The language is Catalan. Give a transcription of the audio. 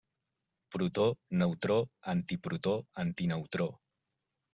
Protó, Neutró, Antiprotó, Antineutró.